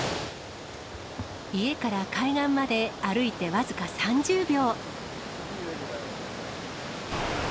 家から海岸まで歩いて僅か３０秒。